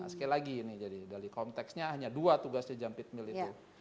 sekali lagi ini jadi dari konteksnya hanya dua tugasnya jump it mill itu